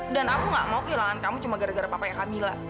dan aku gak mau kehilangan kamu cuma gara gara papa ya kamila